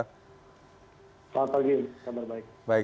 selamat pagi kabar baik